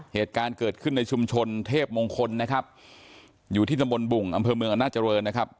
เหตุการณ์เกิดขึ้นในชุมชนเทพมงคลนะครับอยู่ที่ตำบลบุ่งอำเภอเมืองอำนาจริงนะครับ